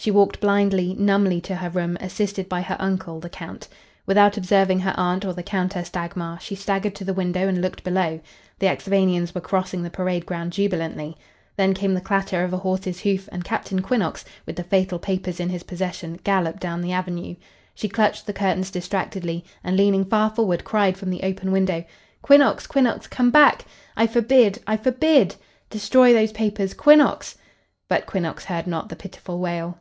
She walked blindly, numbly to her room, assisted by her uncle, the Count. Without observing her aunt or the Countess Dagmar, she staggered to the window and looked below. The Axphainians were crossing the parade ground jubilantly. Then came the clatter of a horse's hoof and Captain Quinnox, with the fatal papers in his possession, galloped down the avenue. She clutched the curtains distractedly, and, leaning far forward, cried from the open window: "Quinnox! Quinnox! Come back! I forbid I forbid! Destroy those papers! Quinnox!'" But Quinnox heard not the pitiful wail.